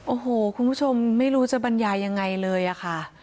โอ้โหคุณผู้ชมไม่รู้จะบรรยายยังไงเลยอะค่ะ